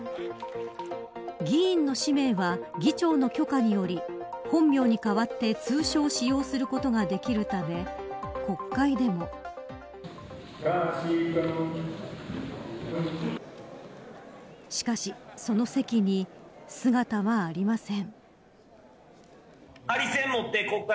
議員の氏名は議長の許可により本名に代わって、通称を使用することができるためしかし、その席に姿はありません。